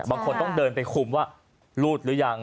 บางคนต้องเดินไปคุมว่ารูดหรือยัง